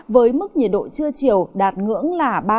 với mức nhiệt độ trưa chiều đạt ngưỡng là